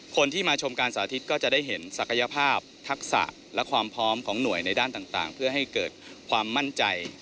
คนที่มาชมการสาธิตก็จะได้เห็นศักยภาพทักษะและความพร้อมของหน่วยในด้านต่างเพื่อให้เกิดความมั่นใจ